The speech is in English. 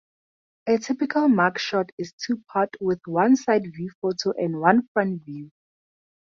A typical mug shot is two-part, with one side-view photo, and one front-view.